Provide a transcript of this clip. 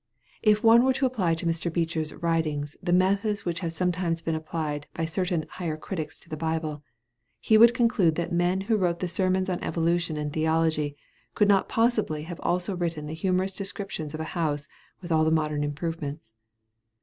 If one were to apply to Mr. Beecher's writings the methods which have sometimes been applied by certain Higher Critics to the Bible, he would conclude that the man who wrote the Sermons on Evolution and Theology could not possibly have also written the humorous description of a house with all the modern improvements.